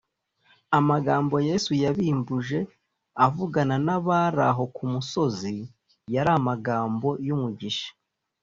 amagambo yesu yabimbuje avugana n’abari aho ku musozi yari amagambo y’umugisha